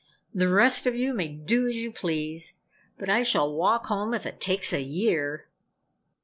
The rest of you may do as you please, but I shall walk home if it takes a year!"